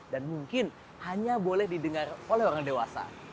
dan mungkin hanya boleh didengar oleh orang dewasa